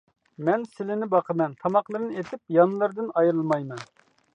-مەن سىلىنى باقىمەن، تاماقلىرىنى ئېتىپ يانلىرىدىن ئايرىلمايمەن.